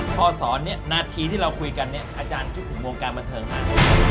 พอสอนนี้นาทีที่เราคุยกันอาจารย์คิดถึงวงการบันเทิงฮา